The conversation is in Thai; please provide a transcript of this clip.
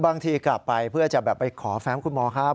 บางทีกลับไปเพื่อจะแบบไปขอแฟ้มคุณหมอครับ